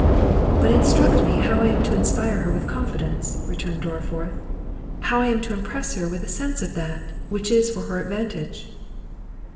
"But instruct me how I am to inspire her with confidence," returned Dorriforth; "how I am to impress her with a sense of that, which is for her advantage?"